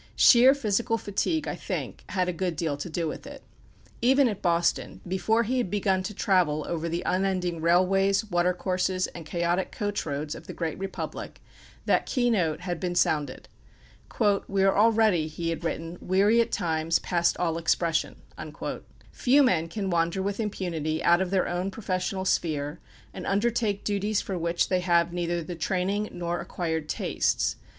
Sheer physical fatigue, I think, had a good deal to do with it. Even at Boston, before he had begun to travel over the unending railways, water courses, and chaotic coach roads of the great Republic, that key note had been sounded. "We are already," he had written, "weary at times, past all expression." Few men can wander with impunity out of their own professional sphere, and undertake duties for which they have neither the training nor acquired tastes.